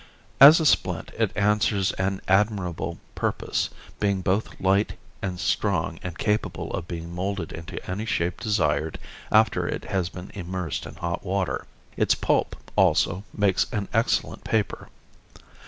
As a splint it answers an admirable purpose, being both light and strong and capable of being molded into any shape desired after it has been immersed in hot water. Its pulp, also, makes an excellent paper.